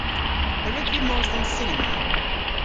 A wrug vy mos dhe'n cinema?